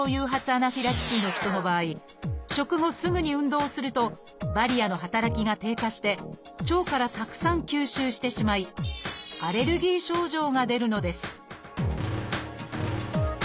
アナフィラキシーの人の場合食後すぐに運動するとバリアの働きが低下して腸からたくさん吸収してしまいアレルギー症状が出るのです